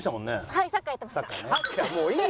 はい。